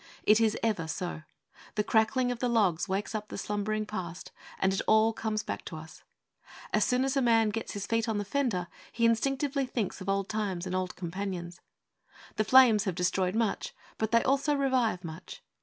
It is ever so. The crackling of the logs wakes up the slumbering Past, and it all comes back to us. As soon as a man gets his feet on the fender he instinctively thinks of old times and old companions. The flames have destroyed much; but they also revive much.